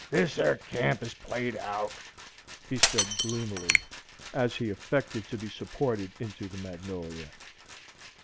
"This yer camp is played out," he said, gloomily, as he affected to be supported into the Magnolia.